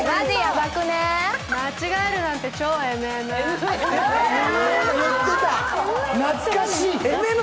間違えるなんて超ＭＭ。